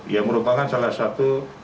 yang merupakan salah satu